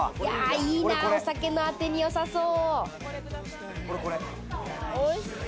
いいな、お酒のアテによさそう。